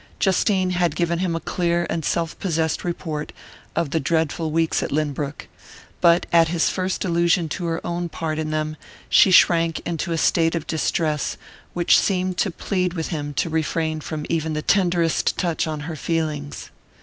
Justine had given him a clear and self possessed report of the dreadful weeks at Lynbrook; but at his first allusion to her own part in them, she shrank into a state of distress which seemed to plead with him to refrain from even the tenderest touch on her feelings.